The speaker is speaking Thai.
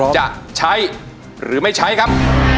จะใช้หรือไม่ใช้ครับ